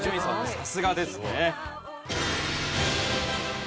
さすがですね。